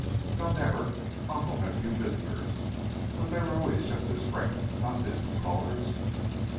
"No; never. Uncle had few visitors, but they were always just his friends, not business callers."